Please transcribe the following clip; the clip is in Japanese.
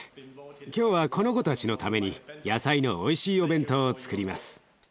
今日はこの子たちのために野菜のおいしいお弁当をつくります。